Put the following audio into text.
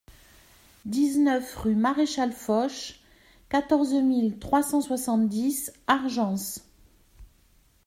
dix-neuf rue Marechal Foch, quatorze mille trois cent soixante-dix Argences